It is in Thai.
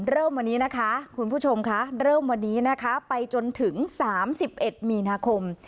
เริ่มวันนี้นะคะคุณผู้ชมคะเริ่มวันนี้นะคะไปจนถึง๓๑มีนาคม